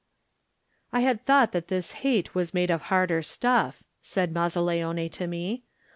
"I had thought that this hate was made of harder stuff," said Mazzaleone to me.